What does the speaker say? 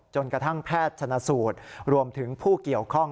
กระทั่งแพทย์ชนะสูตรรวมถึงผู้เกี่ยวข้อง